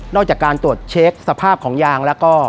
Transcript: จากการตรวจเช็คสภาพของยางแล้วก็